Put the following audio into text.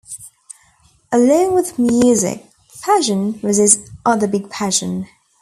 Along with music, fashion was his other big passion.